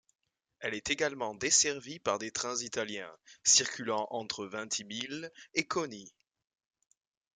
Elle est également desservie par des trains italiens, circulant entre Vintimille et Coni.